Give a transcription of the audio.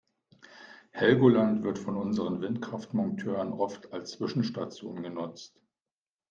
Helgoland wird von unseren Windkraftmonteuren oft als Zwischenstation genutzt.